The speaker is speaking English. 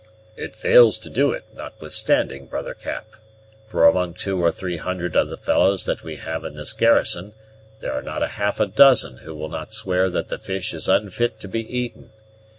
"It fails to do it, notwithstanding, brother Cap; for among two or three hundred of the fellows that we have in this garrison there are not half a dozen who will not swear that the fish is unfit to be eaten.